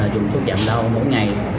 trùng thuốc chạm đau mỗi ngày